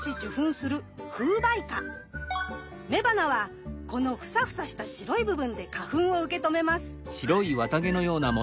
雌花はこのフサフサした白い部分で花粉を受け止めます。